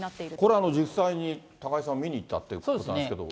これ、実際に高井さん、見に行ったっていうことなんですけれども。